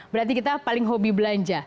berarti kita paling hobi belanja